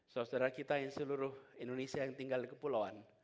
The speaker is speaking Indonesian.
saudara saudara kita yang seluruh indonesia yang tinggal di kepulauan